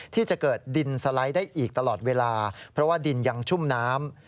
ที่จะเกิดดินสไลด์ได้อีกตลอดเวลาเพราะว่าดินยังชุ่มน้ำ